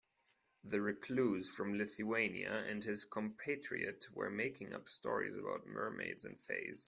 The recluse from Lithuania and his compatriot were making up stories about mermaids and fays.